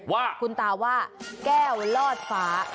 ว่าคุณตาว่าแก้วลอดฟ้า